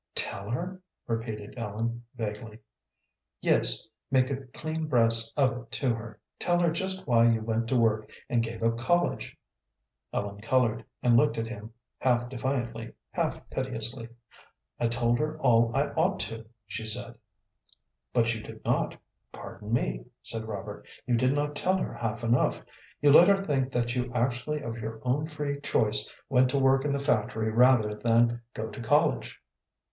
"Tell her?" repeated Ellen, vaguely. "Yes; make a clean breast of it to her. Tell her just why you went to work, and gave up college?" Ellen colored, and looked at him half defiantly, half piteously. "I told her all I ought to," she said. "But you did not; pardon me," said Robert, "you did not tell her half enough. You let her think that you actually of your own free choice went to work in the factory rather than go to college."